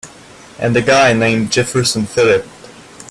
And a guy named Jefferson Phillip.